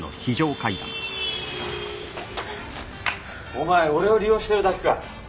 お前俺を利用してるだけか？